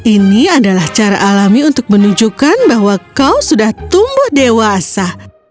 ini adalah cara alami untuk menunjukkan bahwa kau sudah tumbuh dewasa